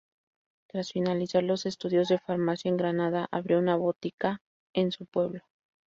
Tras finalizar los estudios de Farmacia en Granada abrió una botica en su pueblo.